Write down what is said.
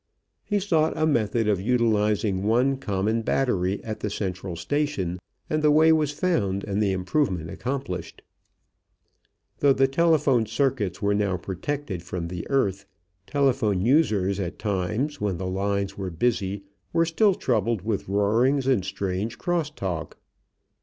He sought a method of utilizing one common battery at the central station and the way was found and the improvement accomplished. Though the telephone circuits were now protected from the earth, telephone users, at times when the lines were busy, were still troubled with roarings and strange cross talk.